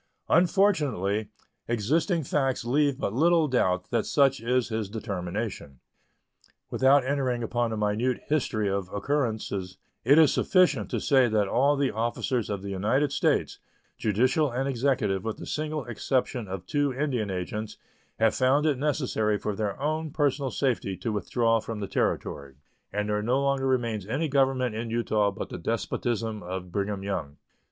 Unfortunately, existing facts leave but little doubt that such is his determination. Without entering upon a minute history of occurrences, it is sufficient to say that all the officers of the United States, judicial and executive, with the single exception of two Indian agents, have found it necessary for their own personal safety to withdraw from the Territory, and there no longer remains any government in Utah but the despotism of Brigham Young.